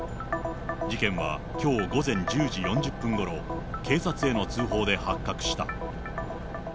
事件はきょう午前１０時４０分ごろ、警察への通報で発覚した。